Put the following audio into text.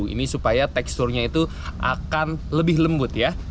ini supaya teksturnya itu akan lebih lembut ya